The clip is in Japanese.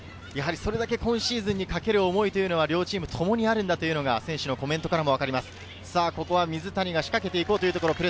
今シーズンにかける思いは両チームともにあるんだというのが選手のコメントからもわかります。